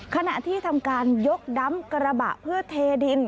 ขณะที่ทำการยกดำกระบะเพื่อเทดิน